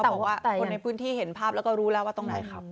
แต่ว่าคนในพื้นที่เห็นภาพแล้วก็รู้แล้วว่าตรงไหนครับ